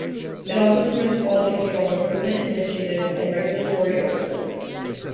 It also permits quality control and improvement initiatives and regulatory oversight.